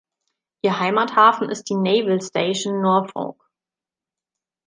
Ihr Heimathafen ist die Naval Station Norfolk.